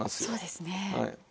そうですね。